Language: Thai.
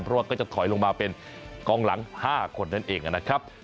เพราะว่าก็จะถอยลงมาเป็นกองหลัง๕คนนั่นเองนะครับ